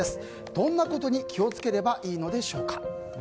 どんなことに気を付ければいいのでしょうか？